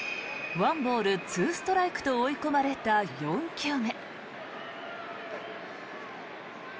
１ボール２ストライクと追い込まれた４球目。